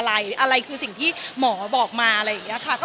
อะไรคือสิ่งที่หมอบอกมาอะไรอย่างนี้ค่ะ